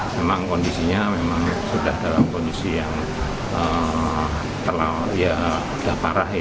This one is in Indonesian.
memang kondisinya memang sudah dalam kondisi yang terlalu parah